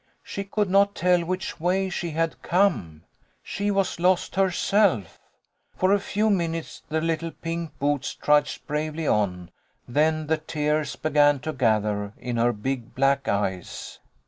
She could not tell which way she had come. She was lost herself ! For a few minutes the little pink boots trudged bravely on, then the tears began to gather in her big black eyes.